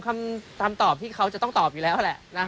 คำตามตอบที่เขาจะต้องตอบอยู่แล้วแหละ